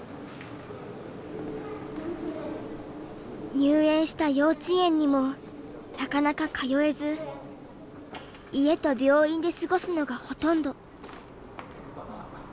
入園した幼稚園にもなかなか通えず家と病院で過ごすのがほとんど。